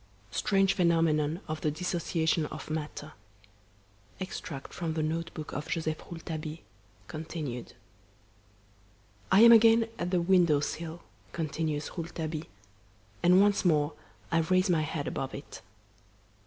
Strange Phenomenon of the Dissociation of Matter (EXTRACT FROM THE NOTE BOOK OF JOSEPH ROULETABILLE, continued) "I am again at the window sill," continues Rouletabille, "and once more I raise my head above it.